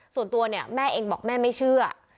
ส่วนตัวเนี่ยแม่เองบอกแม่ไม่เชื่อ